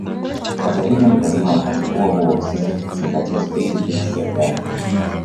Hata hivyo ni lazima wakati huo huo sisi kuzingatia specifics ya idara